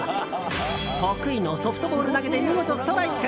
得意のソフトボール投げで見事ストライク！